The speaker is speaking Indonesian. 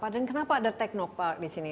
dan kenapa ada teknopark disini